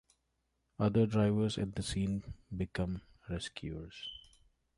Other divers at the scene become rescuers.